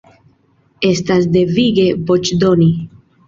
Estas devige voĉdoni.